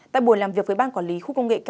tại buổi làm việc với ban quản lý khu công nghệ cao